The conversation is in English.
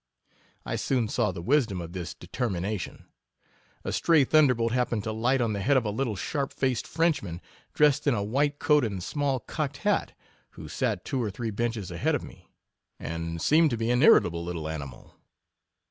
I soon saw the wis dom of this determination; a stray thunder bolt happened to light on the head of a little sharp faced frenchman, dressed in a white coat and small cocked hat, who sat two or three benches ahead of me, apd seemed to be an irritable little animal.